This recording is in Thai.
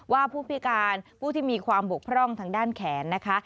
ผู้พิการผู้ที่มีความบกพร่องทางด้านแขนนะคะ